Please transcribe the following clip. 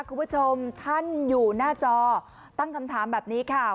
คุณผู้ชมท่านอยู่หน้าจอตั้งคำถามแบบนี้ค่ะ